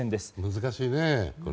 難しいね。